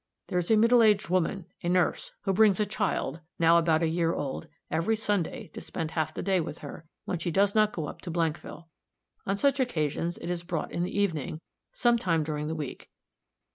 There is a middle aged woman, a nurse, who brings a child, now about a year old, every Sunday to spend half the day with her, when she does not go up to Blankville. On such occasions it is brought in the evening, some time during the week.